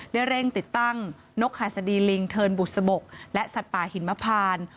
ได้เร่งติดตั้งนกหัสดีลิงเทินบุษบกและสัตว์ป่าหิมพาน